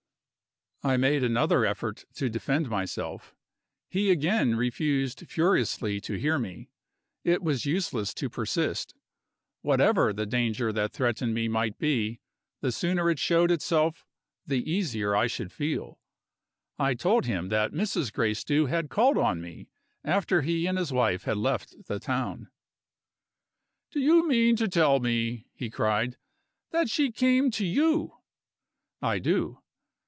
I made another effort to defend myself. He again refused furiously to hear me. It was useless to persist. Whatever the danger that threatened me might be, the sooner it showed itself the easier I should feel. I told him that Mrs. Gracedieu had called on me, after he and his wife had left the town. "Do you mean to tell me," he cried, "that she came to you?" "I do."